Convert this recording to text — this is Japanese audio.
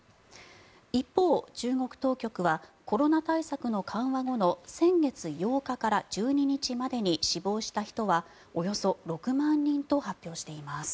一方、中国当局はコロナ対策の緩和後の先月８日から１２日までに死亡した人はおよそ６万人と発表しています。